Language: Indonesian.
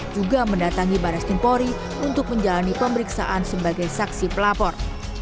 juga mendatangi baris kempori untuk menjalani pemeriksaan sebagai saksi pelapor